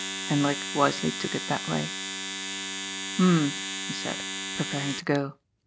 Hendrik wisely took it that way. " Humph," he said, preparing to go.